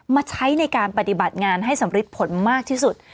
มาใช้ในการปฏิบัติงานให้สำริดผลมากที่สุด